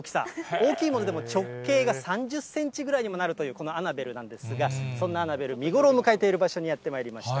大きいものでも、直径が３０センチぐらいにもなるという、このアナベルなんですが、そんなアナベル、見頃を迎えている場所にやってまいりました。